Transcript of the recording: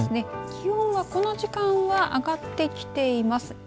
気温は、この時間は上がってきています。